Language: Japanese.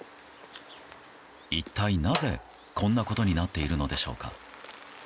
一体なぜ、こんなことになっているのでしょうか。